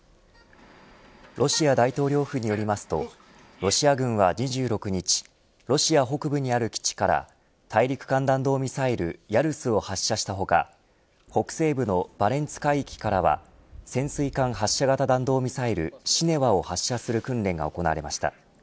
ロシア大統領府によりますとロシア軍は２６日ロシア北部にある基地から大陸間弾道ミサイルヤルスを発射した他北西部のバレンツ海域からは潜水艦発射型弾道ミサイルシネワを発射する訓練が行われました。